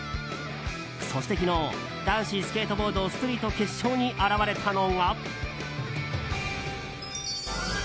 そして昨日男子スケートボード・ストリート決勝に現れたのは。